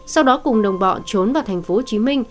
sau đó cùng đồng bọn trốn vào tp hcm